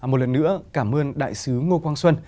một lần nữa cảm ơn đại sứ ngô quang xuân